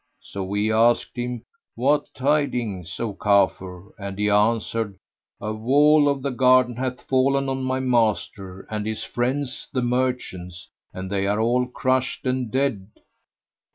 So we asked him, 'What tidings, O Kafur?' and he answered 'A wall of the garden hath fallen on my master and his friends the merchants, and they are all crushed and dead!'''